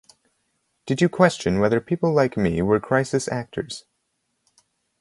Did you question whether people like me were crisis actors?